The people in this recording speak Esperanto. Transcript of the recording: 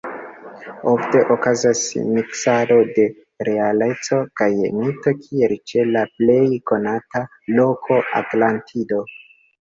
Ofte okazas miksado de realeco kaj mito kiel ĉe la plej konata loko Atlantido.